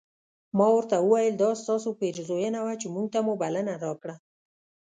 ما ورته وویل دا ستاسو پیرزوینه وه چې موږ ته مو بلنه راکړله.